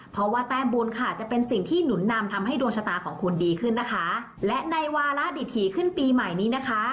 เพราะว่าแต้มบุญค่ะจะเป็นสิ่งที่หนุนนำทำให้ดวงชะตาของคุณดีขึ้นนะคะและในวาระดิถีขึ้นปีใหม่นี้นะคะ